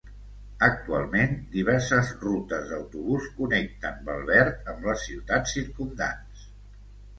Actualment, diverses rutes d'autobús connecten Velbert amb les ciutats circumdants.